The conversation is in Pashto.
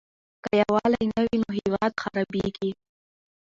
که يووالی نه وي نو هېواد خرابيږي.